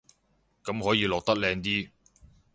咁可以落得靚啲